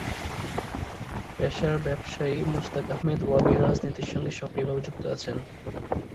পেশার ব্যবসায়ী মোস্তাক আহমেদ রবি রাজনীতির সঙ্গে সক্রিয় ভাবে যুক্ত আছেন।